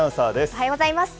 おはようございます。